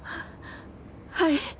はい。